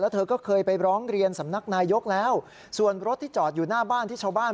เธอก็เคยไปร้องเรียนสำนักนายกแล้วส่วนรถที่จอดอยู่หน้าบ้านที่ชาวบ้าน